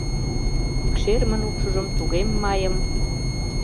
Пӱкшермын укшыжым тугем майым